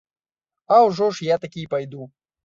А ўжо ж я такі і пайду.